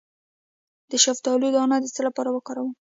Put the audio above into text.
د شفتالو دانه د څه لپاره وکاروم؟